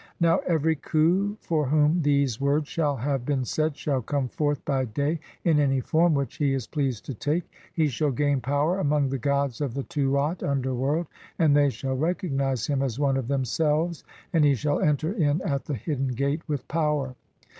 Now every Khu, for whom these words shall have been said, shall come forth by day in anv form which he is pleased to take ; (4) he shall gain power among the gods of the Tuat (underworld), and they shall recognize him as one of them selves ; and he shall enter in at the hidden gate with power.